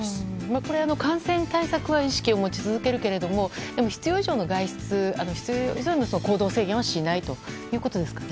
これは感染対策は意識を持ち続けるけれども必要以上の行動制限はしないということですかね。